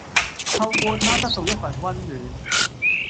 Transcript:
透過它得到一份温暖